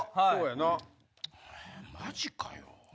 マジかよ。